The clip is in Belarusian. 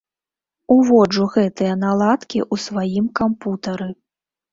Уводжу гэтыя наладкі ў сваім кампутары.